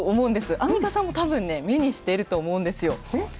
アンミカさんもたぶんね、目にしていると思うんですよ。